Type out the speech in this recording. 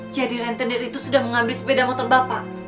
rentenir itu sudah mengambil sepeda motor bapak